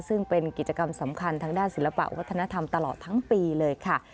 ซึ่งเป็นกิจกรรมสำคัญทางด้านศิลปะวัฒนธรรมตลอดทั้งปีเลยค่ะ